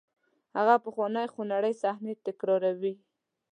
هغه پخوانۍ خونړۍ صحنې تکراروئ.